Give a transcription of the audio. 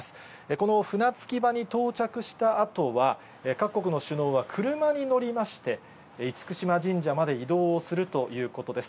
この船着き場に到着したあとは、各国の首脳は車に乗りまして、厳島神社まで移動をするということです。